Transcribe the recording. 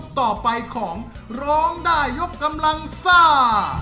ต่อไปของร้องได้ยกกำลังซ่า